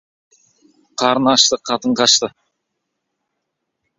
Қарын ашты, қатын қашты.